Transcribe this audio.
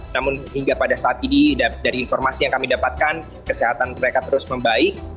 namun hingga pada saat ini dari informasi yang kami dapatkan kesehatan mereka terus membaik